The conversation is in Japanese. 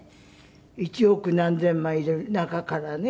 １億何千万いる中からね